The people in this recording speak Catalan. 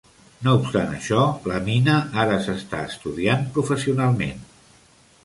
No obstant això, la mina ara s'està estudiant professionalment.